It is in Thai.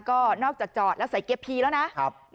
ก็นอกจากจอดแล้วใส่เกียร์พีแล้วนะ